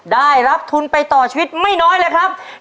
ได้รับทุนไปต่อชีวิตไม่น้อยเลยครับ